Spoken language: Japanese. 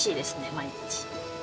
毎日。